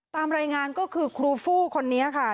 ตามรายงานก็คือครูฟู้คนนี้ค่ะ